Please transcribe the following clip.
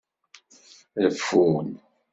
Reffun.